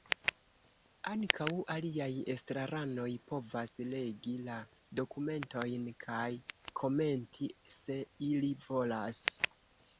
Ankaŭ aliaj estraranoj povas legi la dokumentojn kaj komenti, se ili volas.